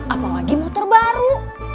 apalagi motor baru